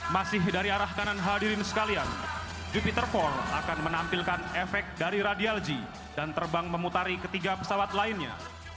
masih dari arah kanan hadirin sekalian jupiter for akan menampilkan efek dari radialji dan terbang memutari ketiga pesawat lainnya